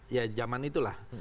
ya zaman itulah